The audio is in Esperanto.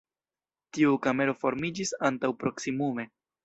Tiu kamero formiĝis antaŭ proksimume.